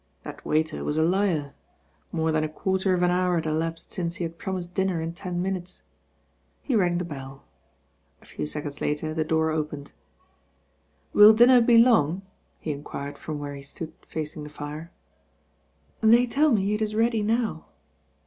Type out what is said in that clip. That waiter was a h'ar. More than a quarter of an hour had elapsed since he had prom iscd dinner m ten minutes. He rang the bclL A few seconds later the door opened '•Will dinner be long?" he enquired from where he stood faang the fire* "They tell me it is ready now.